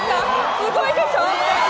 すごいでしょ。